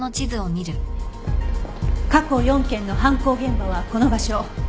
過去４件の犯行現場はこの場所。